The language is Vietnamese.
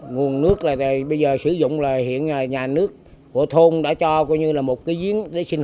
nguồn nước là bây giờ sử dụng là hiện nhà nước của thôn đã cho coi như là một cái giếng để sinh